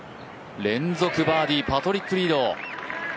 連続バーディー、パトリック・リード。